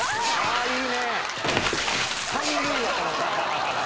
「いいね」